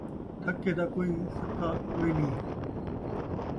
تھکے دا کئی سکا کوئینھی